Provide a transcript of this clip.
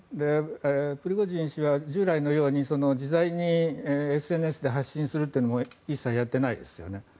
プリゴジン氏は従来のように自在にＳＮＳで発信するというのも一切やっていないですよね。